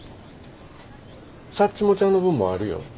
サッチモちゃんの分もあるよ。